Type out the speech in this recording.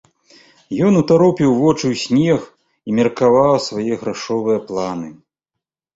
Ён утаропіў вочы ў снег і меркаваў свае грашовыя планы.